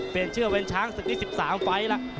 เปลี่ยนชื่อเป็นช้างศึกนี้๑๓ไฟล์แล้ว